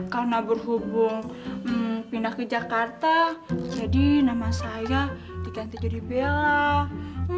karena berhubung pindah ke jakarta jadi nama saya diganti jadi bella